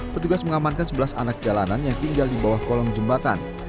petugas mengamankan sebelas anak jalanan yang tinggal di bawah kolong jembatan